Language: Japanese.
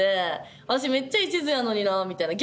私めっちゃいちずやのになみたいな。